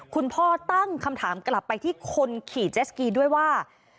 คุณพ่อตั้งคำถามกลับไปที่คนขี่เจสกีด้วยว่า